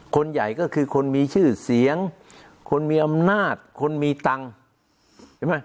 คนใหญ่ก็คือคนมีชื่อเสียงคนมีอำนาจคนมีตังค์เห็นไหม